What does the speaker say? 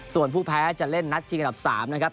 ส่วนผู้แพ้จะเล่นนัดชิงอันดับ๓นะครับ